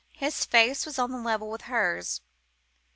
His face was on a level with hers.